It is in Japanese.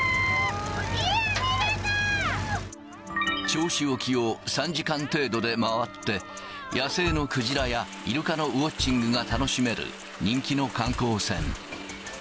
銚子沖を３時間程度で回って、野生のクジラやイルカのウォッチングが楽しめる、人気の観光船。